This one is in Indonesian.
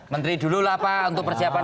menteri dulu lah pak untuk pak espin